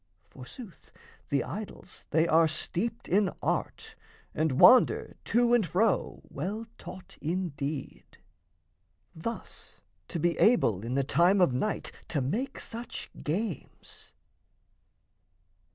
Forsooth, the idols they are steeped in art, And wander to and fro well taught indeed, Thus to be able in the time of night To make such games!